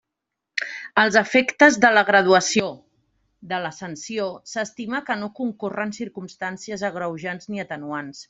Als efectes de la graduació de la sanció, s'estima que no concorren circumstàncies agreujants ni atenuants.